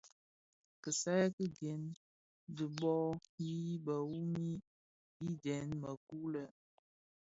Kisai ki gen dhi bhoo yi biwumi yidèň mëkuu lè.